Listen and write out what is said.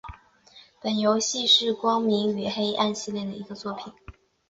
本游戏是光明与黑暗系列的一个作品。